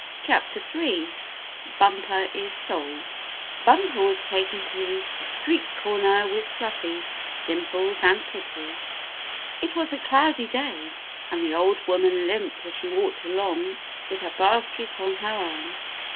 STORY III BUMPER IS SOLD Bumper was taken to the street corner with Fluffy, Dimples and Pickles. It was a cloudy day, and the old woman limped as she walked along with her basket on her arm.